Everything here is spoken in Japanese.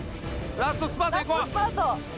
ラストスパート。